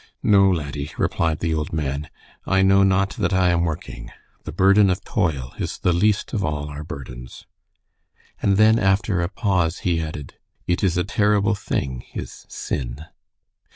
"No, laddie," replied the old man, "I know not that I am working. The burden of toil is the least of all our burdens." And then, after a pause, he added, "It is a terrible thing, is sin."